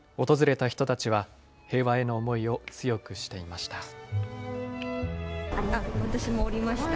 訪れた人たちは、平和への思いを強くしていました。